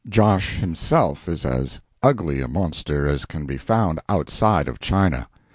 Josh himself is as ugly a monster as can be found outside of China.